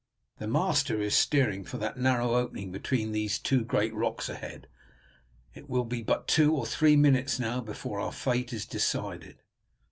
The master is steering for that narrow opening between these two great rocks ahead. It will be but two or three minutes now before our fate is decided."